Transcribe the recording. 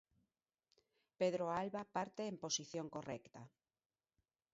Pedro Alba parte en posición correcta.